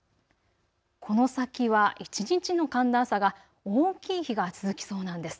この先は一日の寒暖差が大きい日が続きそうなんです。